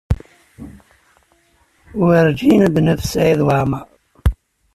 Werǧin ad d-naf Saɛid Waɛmaṛ.